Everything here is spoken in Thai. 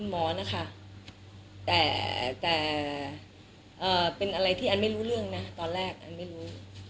หมอนะคะแต่เป็นอะไรที่อันไม่รู้เรื่องนะตอนแรกอันไม่รู้